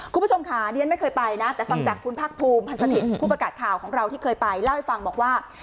คุณผู้ชมค่ะเรียนไม่เคยไปนะแต่ฟังจากคุณภาคภูมิพันธ์สถิตย์ผู้ประกาศข่าวของเราที่เคยไปเล่าให้ฟังบอกว่า